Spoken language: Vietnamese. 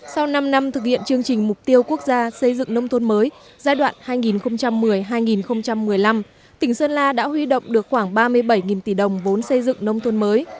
sau năm năm thực hiện chương trình mục tiêu quốc gia xây dựng nông thôn mới giai đoạn hai nghìn một mươi hai nghìn một mươi năm tỉnh sơn la đã huy động được khoảng ba mươi bảy tỷ đồng vốn xây dựng nông thôn mới